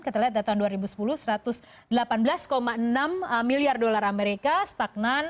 kita lihat dari tahun dua ribu sepuluh satu ratus delapan belas enam miliar dolar amerika stagnan